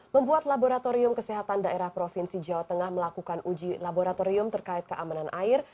membuat laboratorium kesehatan daerah provinsi jawa tengah melakukan uji laboratorium terkait keamanan air